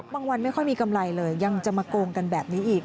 วันไม่ค่อยมีกำไรเลยยังจะมาโกงกันแบบนี้อีก